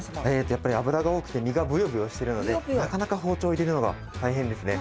やっぱり脂が多くて身がブヨブヨしてるのでなかなか包丁入れるのが大変ですね。